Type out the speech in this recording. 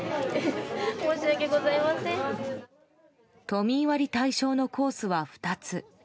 都民割対象のコースは２つ。